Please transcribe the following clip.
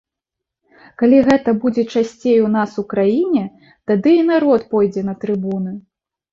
Калі гэта будзе часцей у нас у краіне, тады і народ пойдзе на трыбуны.